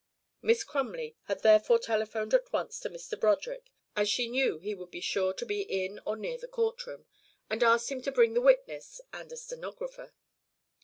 Miss Crumley had therefore telephoned at once to Mr. Broderick, as she knew he would be sure to be in or near the courtroom, and asked him to bring the witness and a stenographer.